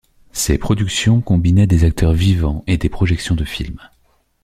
Ces productions combinaient des acteurs vivants et des projections de films.